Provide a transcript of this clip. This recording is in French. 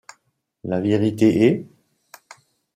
La vérité est.